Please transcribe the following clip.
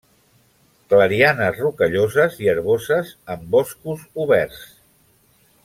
Clarianes rocalloses i herboses en boscos oberts.